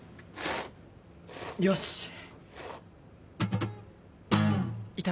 よし。